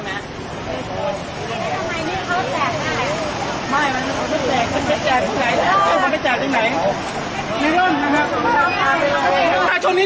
อยากมาบอกว่าห้ามกรอบรถตรงนี้